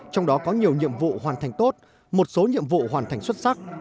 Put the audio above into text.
trong đó có nhiều nhiệm vụ hoàn thành tốt một số nhiệm vụ hoàn thành xuất sắc